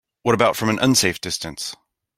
What about from an unsafe distance?